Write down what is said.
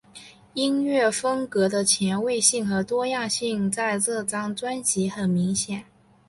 音乐风格的前卫性和多样性在这张专辑很明显。